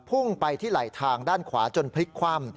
พุ่งไปที่ไหลทางด้านขวาจนพลิกคว่ำ